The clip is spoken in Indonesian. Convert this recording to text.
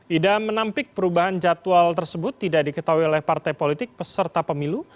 idam menampik perubahan jadwal tersebut tidak diketahui oleh partai politik peserta pemilu